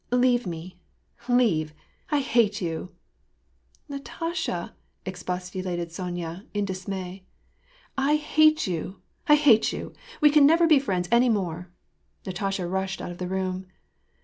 Leave me, leave ! I hate you !"" Natasha !" expostulated Sonya, in dismay. "I hate you! I hate you! We can never be friends any more !" Natasha rushed out of the room.